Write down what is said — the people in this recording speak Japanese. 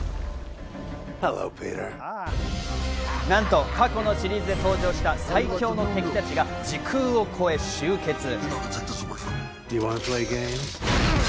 なんと、過去のシリーズで登場した最強の敵たちが時空を超え集結。